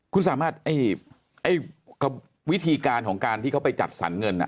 คุณสามารถวิธีการของการที่เขาไปจัดสรรเงิน